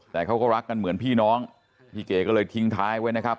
แต่เขาก็รักกันเหมือนพี่น้องพี่เก๋ก็เลยทิ้งท้ายไว้นะครับ